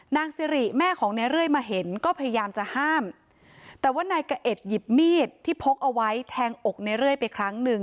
นางสิริแม่ของในเรื่อยมาเห็นก็พยายามจะห้ามแต่ว่านายกะเอ็ดหยิบมีดที่พกเอาไว้แทงอกในเรื่อยไปครั้งหนึ่ง